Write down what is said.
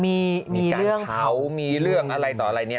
มีการเผามีเรื่องอะไรต่ออันหนี